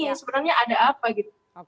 yang sebenarnya ada apa gitu